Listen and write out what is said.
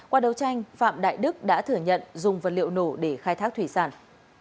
qua đấu tranh phạm đại đức đã thử nhận dùng vật liệu nổ để khai thác thủy sản